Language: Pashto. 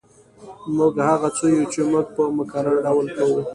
موږ هغه څه یو چې موږ یې په مکرر ډول کوو